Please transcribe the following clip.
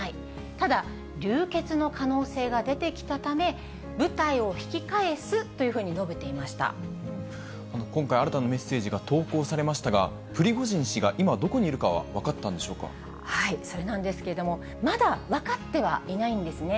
ただ、流血の可能性が出てきたため、部隊を引き返すというふうに述べ今回、新たなメッセージが投稿されましたが、プリゴジン氏が今、どこにいるかは分かったんでそれなんですけども、まだ分かってはいないんですね。